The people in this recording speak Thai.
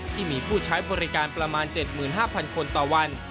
ที่มีผู้ใช้บริการประมาณ๗๕๐๐คนต่อวัน